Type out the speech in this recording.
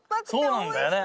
そうなんだよね